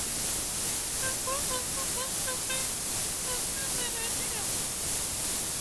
The god was supposed to bring the season with him.